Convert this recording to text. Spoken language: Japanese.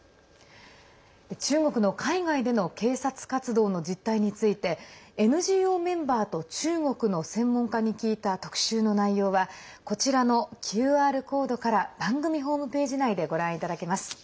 中国の海外での警察活動の実態についてＮＧＯメンバーと中国の専門家に聞いた特集の内容はこちらのＱＲコードから番組ホームページ内でご覧いただけます。